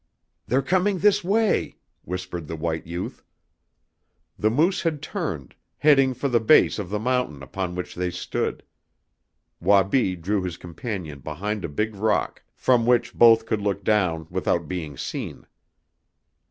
"They're coming this way!" whispered the white youth. The moose had turned, heading for the base of the mountain upon which they stood. Wabi drew his companion behind a big rock, from which both could look down without being seen.